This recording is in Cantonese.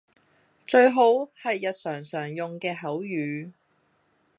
最好係日常常用嘅口語